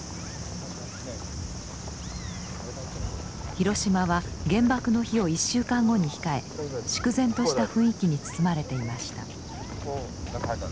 広島は原爆の日を１週間後に控え粛然とした雰囲気に包まれていました。